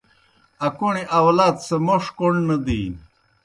اکَوْݨیْ آؤلات سہ موْݜ کوْݨ نہ دِینیْ۔